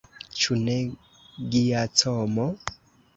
Ĉu ne, Giacomo?